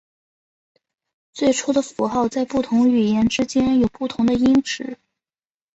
最初的符号在不同语言之间有不同的音值。